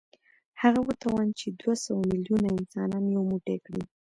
هغه وتوانېد چې دوه سوه ميليونه انسانان يو موټی کړي.